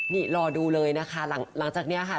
นี่รอดูเลยนะคะหลังจากนี้ค่ะ